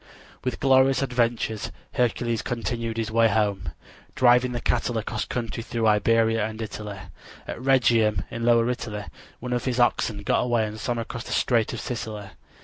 With glorious adventures Hercules continued his way home, driving the cattle across country through Iberia and Italy. At Rhegium in lower Italy one of his oxen got away and swam across the strait to Sicily.